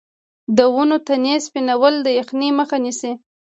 د ونو تنې سپینول د یخنۍ مخه نیسي؟